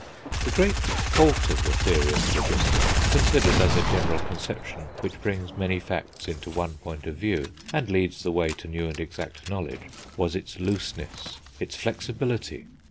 The great fault of the theory of phlogiston, considered as a general conception which brings many facts into one point of view, and leads the way to new and exact knowledge, was its looseness, its flexibility.